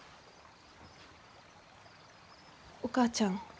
お母ちゃん。